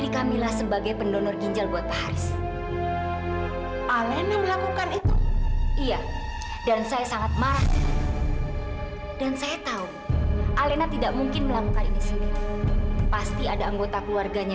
sampai jumpa di video selanjutnya